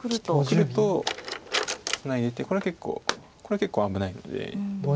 くるとツナいでてこれは結構危ないので。